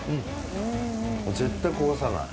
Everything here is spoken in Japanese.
絶対焦がさない。